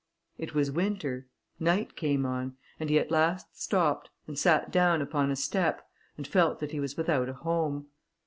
It was winter: night came on, and he at last stopped, and sat down upon a step, and felt that he was without a home.